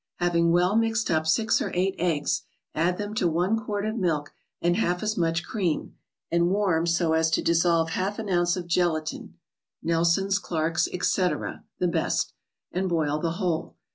Having well mixed up six or eight eggs, add them to one quart of milk and half as much cream, and warm so as to dissolve half an ounce of gela¬ tine (Nelson's, Clarke's, etc.—the best), and boil the whole.